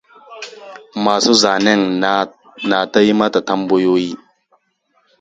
Masu zanen na ta yi mata tambayoyi.